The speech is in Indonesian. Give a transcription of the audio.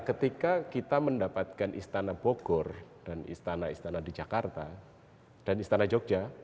ketika kita mendapatkan istana bogor dan istana istana di jakarta dan istana jogja